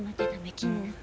気になって。